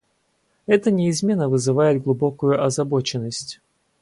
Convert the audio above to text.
Это неизменно вызывает глубокую озабоченность.